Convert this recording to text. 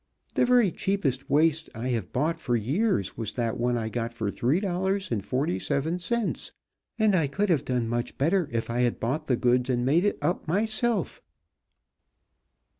The very cheapest waist I have bought for years was that one I got for three dollars and forty seven cents, and I could have done much better if I had bought the goods and made it up myself."